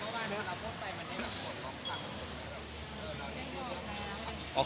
เกียรติเขามาแล้วพอไปมันได้หรือเปล่าหรือเปล่า